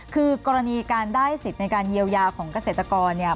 คือกรณีการได้สิทธิ์ในการเยียวยาของเกษตรกรเนี่ย